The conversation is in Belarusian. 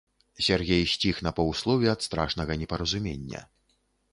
Сяргей сціх на паўслове ад страшнага непаразумення.